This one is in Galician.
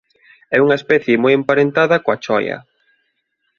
É unha especie moi emparentada coa choia.